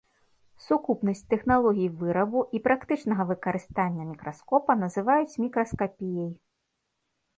Сукупнасць тэхналогій вырабу і практычнага выкарыстання мікраскопа называюць мікраскапіяй.